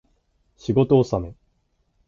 仕事納め